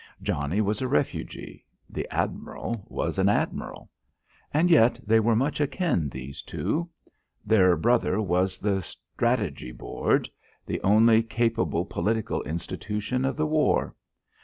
Johnnie was a refugee; the admiral was an admiral. And yet they were much akin, these two. Their brother was the Strategy Board the only capable political institution of the war.